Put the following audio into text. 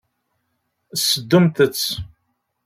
Seddumt-tt.